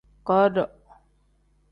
Godo.